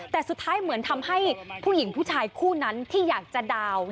แต่สุดท้ายเหมือนทำให้ผู้หญิงผู้ชายคู่นั้นที่อยากจะดาวน์